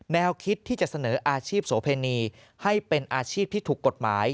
แนวคิดที่จะเสนออาชีพโสเพณีให้เป็นอาชีพที่ถูกกฎหมาย